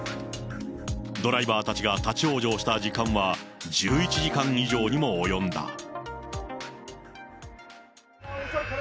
ドライバーたちが立往生した時間は、１１時間以上にも及んだ。